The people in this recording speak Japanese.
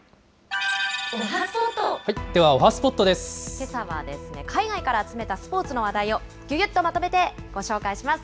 けさは、海外から集めたスポーツの話題を、ぎゅぎゅっとまとめてご紹介します。